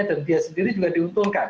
dan dia sendiri juga diuntungkan